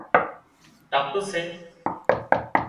ٽپ سي